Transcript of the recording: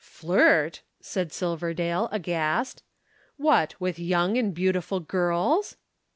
"Flirt?" said Silverdale, aghast. "What! With young and beautiful girls?"